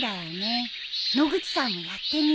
野口さんもやってみなよ。